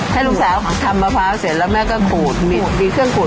ให้ลูกสาวทำมะพร้าวเสร็จแล้วแม่ก็ขูดขูดมีเครื่องขูด